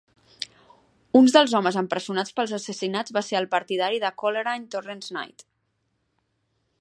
Un dels homes empresonats pels assassinats va ser el partidari de Coleraine Torrens Knight.